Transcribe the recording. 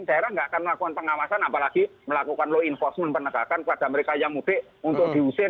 daerah nggak akan melakukan pengawasan apalagi melakukan law enforcement penegakan kepada mereka yang mudik untuk diusir